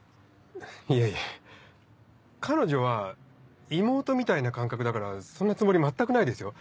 いやいや彼女は妹みたいな感覚だからそんなつもり全くないですよ。